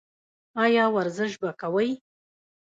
ایا ورزش به کوئ؟